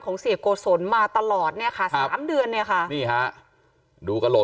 เสียโกศลมาตลอดเนี่ยค่ะสามเดือนเนี่ยค่ะนี่ฮะดูกระโหลก